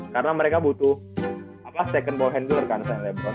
karena mereka butuh second ball handler kan saya lebron